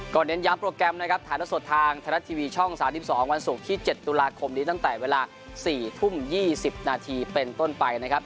เน้นย้ำโปรแกรมนะครับถ่ายละสดทางไทยรัฐทีวีช่อง๓๒วันศุกร์ที่๗ตุลาคมนี้ตั้งแต่เวลา๔ทุ่ม๒๐นาทีเป็นต้นไปนะครับ